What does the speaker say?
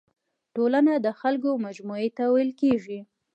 ټولنه د خلکو مجموعي ته ويل کيږي.